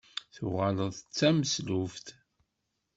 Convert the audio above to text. Tuɣaleḍ d tameslubt?